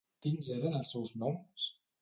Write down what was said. Quins eren els seus noms?